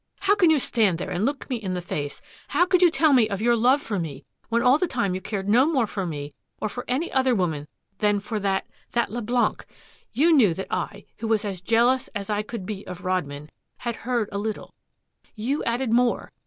"How can you stand there and look me in the face, how could you tell me of your love for me, when all the time you cared no more for me or for any other woman than for that that Leblanc! You knew that I, who was as jealous as I could be of Rodman, had heard a little you added more.